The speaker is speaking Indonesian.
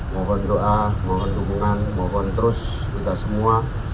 mohon doa mohon dukungan mohon terus kita semua